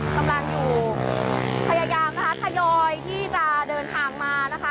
กำลังอยู่พยายามนะคะทยอยที่จะเดินทางมานะคะ